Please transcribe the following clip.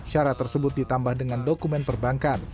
syarat tersebut ditambah dengan dokumen perbankan